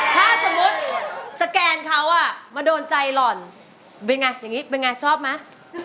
ถ้าสมมุติสแกนเขาอ่ะมาโดนใจหล่อนเป็นไงอย่างนี้เป็นไงชอบไหม